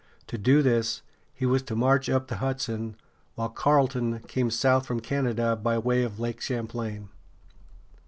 To do this, he was to march up the Hudson, while Carleton came south from Canada by way of Lake Champlain.